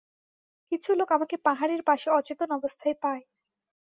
কিছু লোক আমাকে পাহাড়ের পাশে অচেতন অবস্থায় পায়।